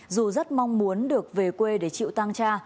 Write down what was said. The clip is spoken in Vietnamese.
dù rất mong muốn được về quê để chịu tăng cha